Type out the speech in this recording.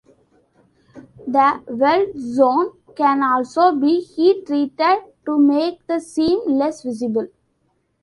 The weld zone can also be heat-treated to make the seam less visible.